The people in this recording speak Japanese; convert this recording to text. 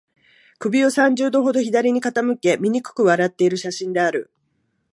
首を三十度ほど左に傾け、醜く笑っている写真である